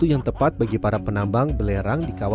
untuk menemukan penambang belerang di gunung ijen